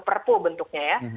perpu bentuknya ya